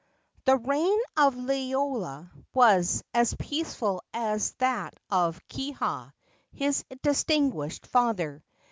The reign of Liloa was as peaceful as that of Kiha, his distinguished father.